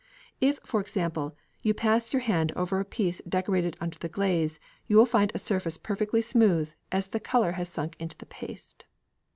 If, for example, you pass your hand over a piece decorated under the glaze, you will find a surface perfectly smooth, the colour has sunk into the paste.